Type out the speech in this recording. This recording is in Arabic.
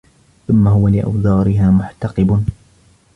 ثُمَّ هُوَ لِأَوْزَارِهَا مُحْتَقِبٌ